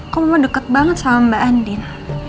kok mama deket banget sama mbak andin